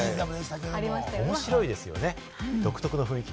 面白いですよね、独特な雰囲気で。